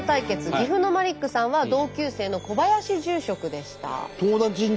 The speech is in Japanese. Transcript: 岐阜のマリックさんは同級生の小林住職でした。